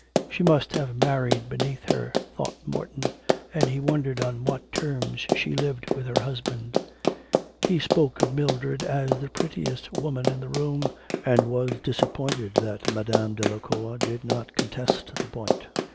'She must have married beneath her,' thought Morton, and he wondered on what terms she lived with her husband. He spoke of Mildred as the prettiest woman in the room, and was disappointed that Madame Delacour did not contest the point...